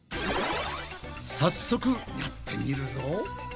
早速やってみるぞ。